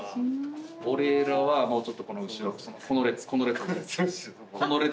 俺らはもうちょっとこの後ろこの列この列。